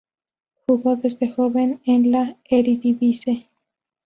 Jugó desde joven en la Eredivisie.